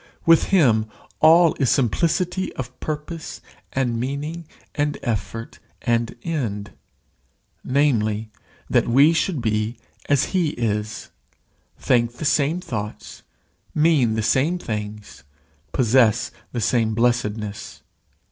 With him all is simplicity of purpose and meaning and effort and end namely, that we should be as he is, think the same thoughts, mean the same things, possess the same blessedness.